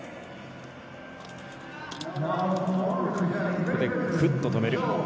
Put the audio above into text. ここでグッと止める。